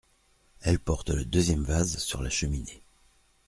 Elle porte le deuxième vase sur la cheminée.